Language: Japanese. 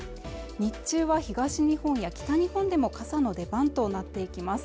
日中は東日本や北日本でも傘の出番となっていきます